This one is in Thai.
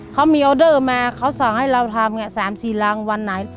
เขามีออเดอร์มาเขาสั่งให้เราทำ๓๔รังวันไหน